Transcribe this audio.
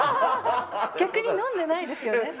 逆に飲んでないですよね？